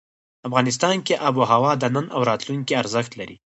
افغانستان کې آب وهوا د نن او راتلونکي ارزښت لري.